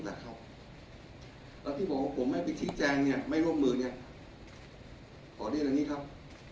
แล้วที่บอกว่าผมไม่ไปชี้แจงเนี่ยไม่ร่วมมือเนี่ยขอเรียนอย่างนี้ครับ